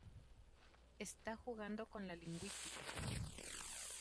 Está jugando con la lingüística.